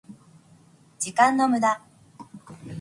時間の無駄